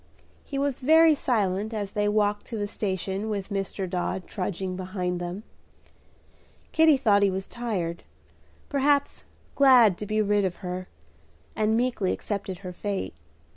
He was very silent as they walked to the station with Dr. Dodd trudging behind them. Kitty thought he was tired, perhaps glad to be rid of her, and meekly accepted her fate.